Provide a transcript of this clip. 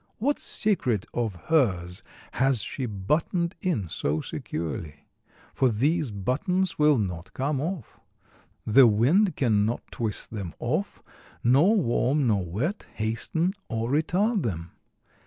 What secret of hers has she buttoned in so securely? for these buttons will not come off. The wind can not twist them off, nor warm nor wet hasten or retard them.